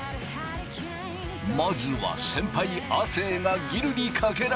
まずは先輩亜生がギルにかけられる。